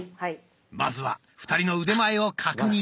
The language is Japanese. まずは２人の腕前を確認。